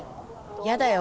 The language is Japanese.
やだよ。